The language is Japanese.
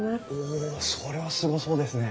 おそれはすごそうですね。